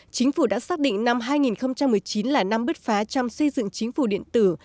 chính phủ đã xác định năm hai nghìn một mươi chín là năm bứt phá trong xây dựng chính phủ điện tử